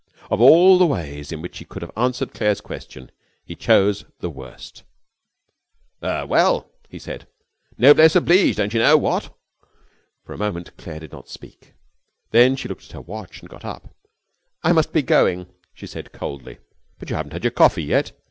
Of all the ways in which he could have answered Claire's question he chose the worst. 'Er well,' he said, 'noblesse oblige, don't you know, what?' For a moment Claire did not speak. Then she looked at her watch and got up. 'I must be going,' she said, coldly. 'But you haven't had your coffee yet.'